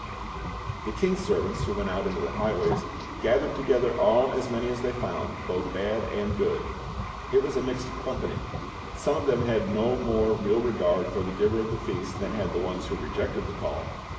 The king's servants who went out into the highways "gathered together all as many as they found, both bad and good." It was a mixed company. Some of them had no more real regard for the giver of the feast than had the ones who rejected the call.